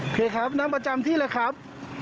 เคครับนั่งประจำที่เลยครับ